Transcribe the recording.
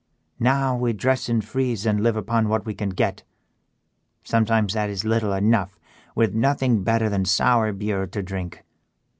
Now we dress in frieze and live upon what we can get and sometimes that is little enough, with nothing better than sour beer to drink.